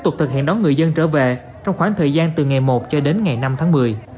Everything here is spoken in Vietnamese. tục thực hiện đón người dân trở về trong khoảng thời gian từ ngày một cho đến ngày năm tháng một mươi